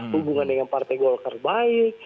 hubungan dengan partai golkar baik